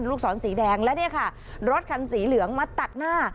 ลูกศรสีแดงและเนี่ยค่ะรถคันสีเหลืองมาตัดหน้า